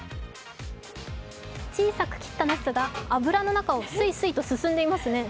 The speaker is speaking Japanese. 小さく切ったなすが油の中をすいすいと動いていますね。